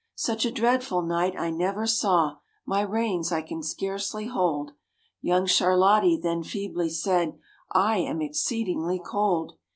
"Such a dreadful night I never saw, my reins I can scarcely hold." Young Charlottie then feebly said, "I am exceedingly cold."